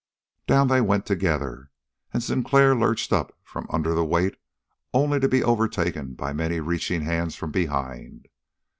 Down they went together, and Sinclair lurched up from under the weight only to be overtaken by many reaching hands from behind.